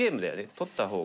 取った方が。